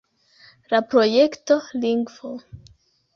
La projekto lingvo.